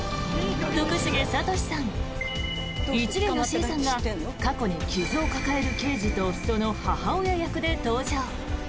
徳重聡さん、市毛良枝さんが過去に傷を抱える刑事とその母親役で登場。